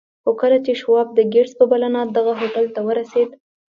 خو کله چې شواب د ګيټس په بلنه دغه هوټل ته ورسېد.